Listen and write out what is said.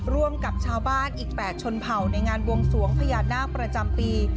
ร่วมกับชาวบ้านอีก๘ชนเผ่าในงานวงสวงพญานาคประจำปี